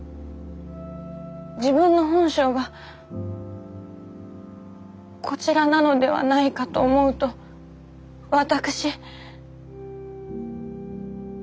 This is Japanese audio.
自分の本性がこちらなのではないかと思うと私。